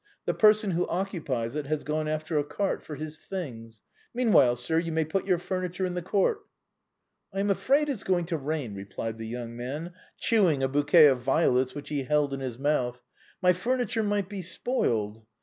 The person who occupies it has gone after a cart for his things. Mean while, sir, you may put your furniture in the court." " I am afraid it's going to rain," replied the young man, chewing a bouquet of violets which he held in his mouth. " My furniture might be spoiled.